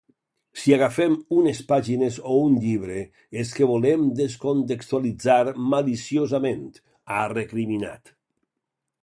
Si agafem unes pàgines o un llibre és que volem descontextualitzar maliciosament, ha recriminat.